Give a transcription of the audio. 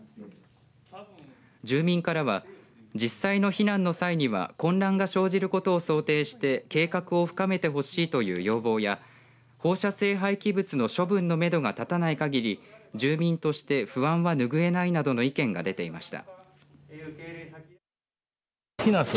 住民からは実際の避難の際には混乱が生じることを想定して計画を深めてほしいという要望や放射性廃棄物の処分のめどが立たない限り住民として不安はぬぐえないなどの意見が出ていました。